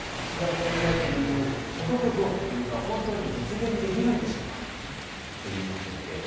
岸田総理大臣の言う所得増というのは、本当に実現できるんでしょうかということで。